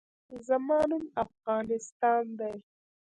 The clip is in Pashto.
زما نوم افغانستان دی